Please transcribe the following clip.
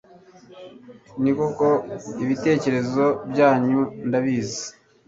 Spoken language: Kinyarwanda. ni koko, ibitekerezo byanyu ndabizi